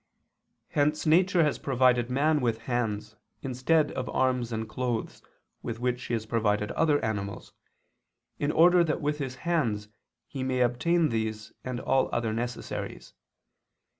Hence nature has provided man with hands instead of arms and clothes, with which she has provided other animals, in order that with his hands he may obtain these and all other necessaries.